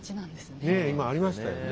ねえ今ありましたよね。